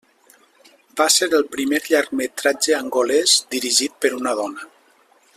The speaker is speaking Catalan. Va ser el primer llargmetratge angolès dirigit per una dona.